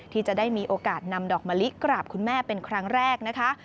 ที่จะได้มีโอกาสนำดอกมะลิกราบคุณแม่เป็นครั้งแรกนะคะ